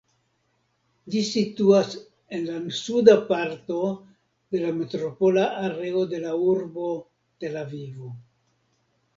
Ĝi situas en la suda parto de la metropola areo de la urbo Tel-Avivo.